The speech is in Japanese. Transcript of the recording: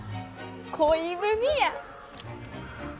恋文や！